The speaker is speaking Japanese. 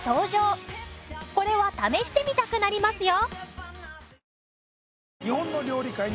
これは試してみたくなりますよ。